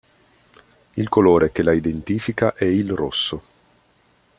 Il colore che la identifica è il rosso.